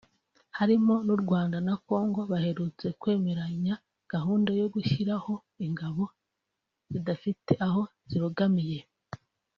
harimo n’u Rwanda na Congo baherutse kwemeranya gahunda yo gushyiraho ingabo zidafite aho zibogamiye